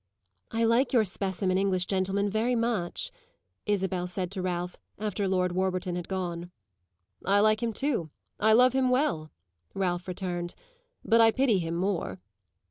"I like your specimen English gentleman very much," Isabel said to Ralph after Lord Warburton had gone. "I like him too I love him well," Ralph returned. "But I pity him more."